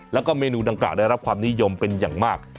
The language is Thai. แล้วก็เมนูดังกล่าได้รับความนิยมเป็นอย่างมาก